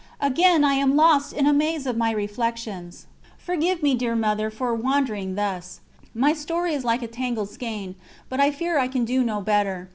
Again I am lost in a maze of reflections. Forgive me, dear Mother, for wandering thus. My story is like a tangled skein, but I fear I can do no better.